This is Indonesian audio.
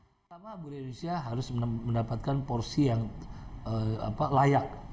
pertama budaya indonesia harus mendapatkan porsi yang layak